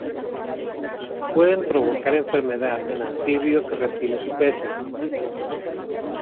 Pueden provocar enfermedad en anfibios reptiles y peces.